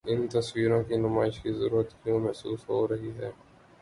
ان تصویروں کی نمائش کی ضرورت کیوں محسوس ہو رہی ہے؟